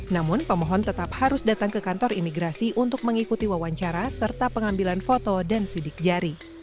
namun pemohon tetap harus datang ke kantor imigrasi untuk mengikuti wawancara serta pengambilan foto dan sidik jari